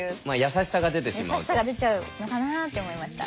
優しさが出ちゃうのかなって思いました。